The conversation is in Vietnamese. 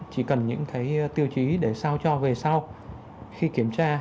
chỉ cần những cái tiêu chí để sao cho về sau khi kiểm tra